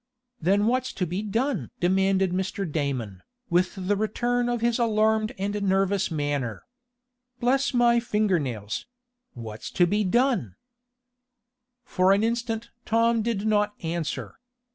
"Then what's to be done?" demanded Mr. Damon, with a return of his alarmed and nervous manner. "Bless my fingernails! What's to be done?" For an instant Tom did not answer.